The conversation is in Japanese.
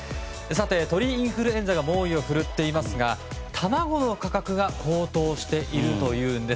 鳥インフルエンザが猛威を振るっていますが卵の価格が高騰しているというんです。